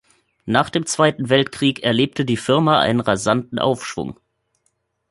Nach dem Zweiten Weltkrieg erlebte die Firma einen rasanten Aufschwung.